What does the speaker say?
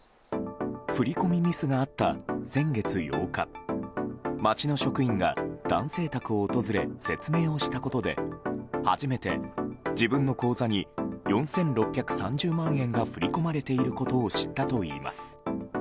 振り込みミスがあった先月８日町の職員が男性宅を訪れ説明をしたことで初めて自分の口座に４６３０万円が振り込まれていることを知ったといいます。